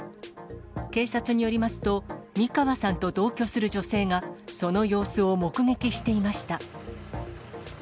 警察によりますと、三川さんと同居する女性が、その様子を目撃していました。